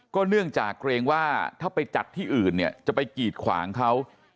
เนื่องจากเกรงว่าถ้าไปจัดที่อื่นเนี่ยจะไปกีดขวางเขา